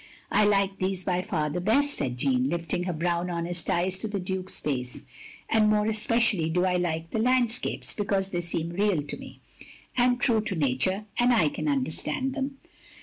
"I like these by far the best," said Jeanne, lifting her brown, honest eyes to the Duke's face, " and more especially do I like the landscapes ; because they seem real to me, and true to nature, and I can understand them.